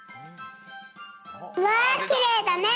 うわきれいだね！